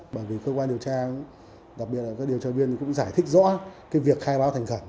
bởi vì cơ quan điều tra cũng đặc biệt là các điều tra viên cũng giải thích rõ cái việc khai báo thành khẩn